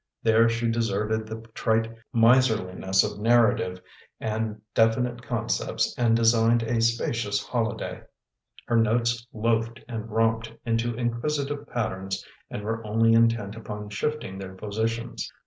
There she deserted the trite miserli ns of narrative and definite concepts and designed a spacious holiday. Her notes loafed and romped into inquisitive patterns and were only intent upon shifting tlu*ir jjositions.